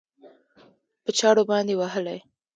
په چاړو باندې وهلى؟